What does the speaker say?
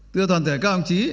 tưa toàn thể cao ổng chí